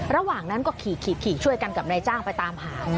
ระหว่างนั้นก็ขี่ช่วยกันกับนายจ้างไปตามหา